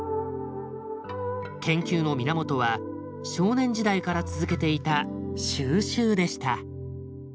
研究の源は少年時代から続けていた収集でした。